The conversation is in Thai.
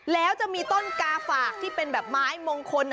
แล้วจะมีต้นกาฝากที่เป็นแบบไม้มงคล